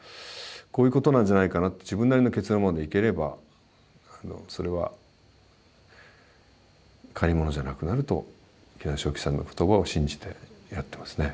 こういうことなんじゃないかなって自分なりの結論まで行ければそれは借り物じゃなくなると喜納昌吉さんの言葉を信じてやってますね。